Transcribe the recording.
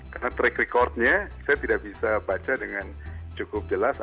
karena track recordnya saya tidak bisa baca dengan cukup jelas